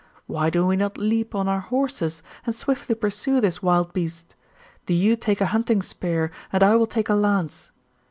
Why do we not leap on our horses, and swiftly pursue this wild beast? Do you take a hunting spear, and I will take a lance.'